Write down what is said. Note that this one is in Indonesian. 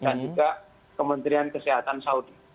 dan juga kementerian kesehatan saudi